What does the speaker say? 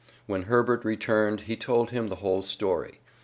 When Herbert returned he told him the whole story.